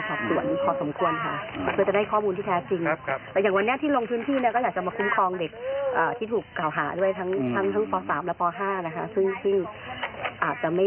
แต่ว่าเบื้องต้นเท่าที่ไปสัมผัสพูดคุย